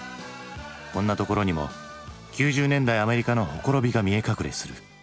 こんなところにも９０年代アメリカの綻びが見え隠れする。